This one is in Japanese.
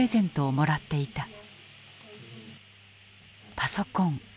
パソコン。